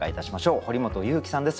堀本裕樹さんです。